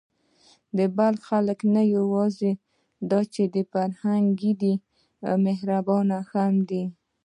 د بلخ خلک نه یواځې دا چې فرهنګي دي، بلکې مهربانه هم دي.